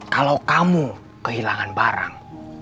kalau kamu kehilangan barang